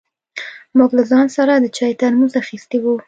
موږ له ځان سره د چای ترموز اخيستی و.